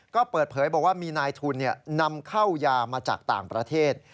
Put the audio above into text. ก็เปิดเผยบอกว่ามีนายทุนนำเข้ายามาจากต่างประเทศ